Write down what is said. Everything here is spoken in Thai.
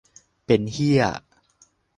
"เป็นเหี้ย"